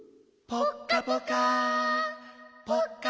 ぽっかぽか。